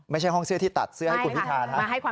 ไม่ใช่ห้องเสื้อที่ตัดเสื้อให้คุณพิธานะครับ